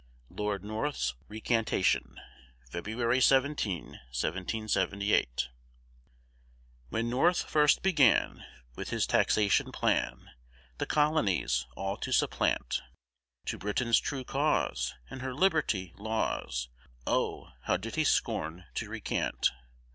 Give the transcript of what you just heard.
LORD NORTH'S RECANTATION [February 17, 1778] When North first began With his taxation plan, The Colonies all to supplant, To Britain's true cause, And her liberty, laws, Oh, how did he scorn to recant.